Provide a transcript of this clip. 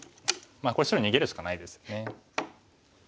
まあこれ白逃げるしかないですよね。